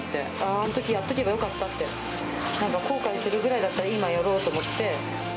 あのときやっておけばよかったって、なんか後悔するぐらいだったら今やろうと思って。